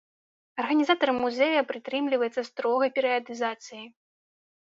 Арганізатар музея прытрымліваецца строгай перыядызацыі.